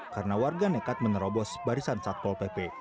karena warga nekat menerobos barisan satpol pp